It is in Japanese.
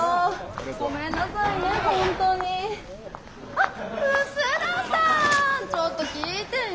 あっ楠田さんちょっと聞いてよ。